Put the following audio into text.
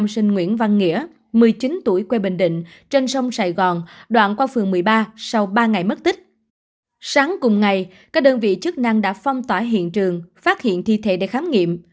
sáng cùng ngày các đơn vị chức năng đã phong tỏa hiện trường phát hiện thi thể để khám nghiệm